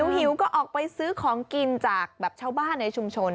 หิวก็ออกไปซื้อของกินจากแบบชาวบ้านในชุมชน